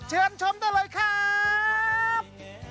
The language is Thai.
เชิญชมได้เลยครับ